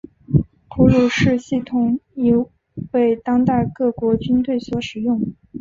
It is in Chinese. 普鲁士系统已为当代各国军队所使用。